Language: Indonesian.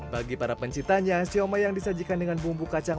bagi para pencitanya sioma yang disajikan dengan bumbu kacang